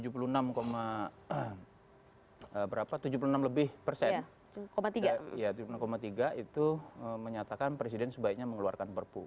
tujuh puluh enam tiga persen itu menyatakan presiden sebaiknya mengeluarkan perpu